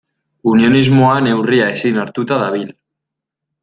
Unionismoa neurria ezin hartuta dabil.